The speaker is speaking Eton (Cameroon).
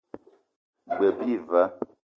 G-beu bi va.